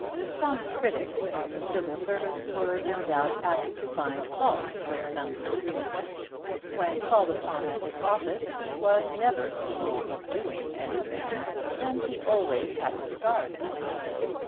Some critics on the Civil Service were no doubt apt to find fault with Mounser Green. When called upon at his office he was never seen to be doing anything, and he always had a cigar in his mouth.